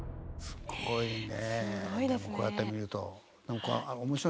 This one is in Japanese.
すごいわ。